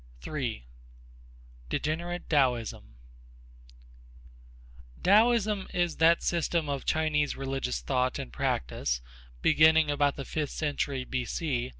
3. Degenerate Taoism Taoism is that system of Chinese religious thought and practice, beginning about the fifth century B. C.